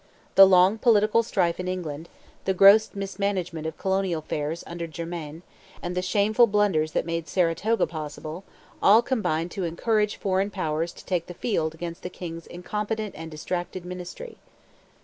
The long political strife in England, the gross mismanagement of colonial affairs under Germain, and the shameful blunders that made Saratoga possible, all combined to encourage foreign powers to take the field against the king's incompetent and distracted ministry.